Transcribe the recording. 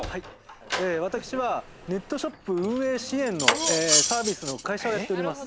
私はネットショップ運営支援のサービスの会社をやっております。